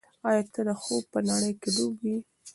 ایا ته د خوب په نړۍ کې ډوب یې؟